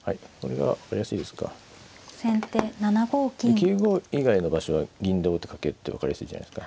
９五以外の場所は銀で王手かけて分かりやすいじゃないですか。